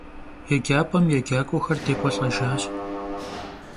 Yêcap'em yêcak'uexer dêk'uelh'ejjaş.